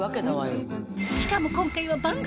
しかも今回は番組限定